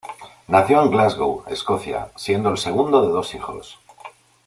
Nació en Glasgow, Escocia, siendo el segundo de dos hijos.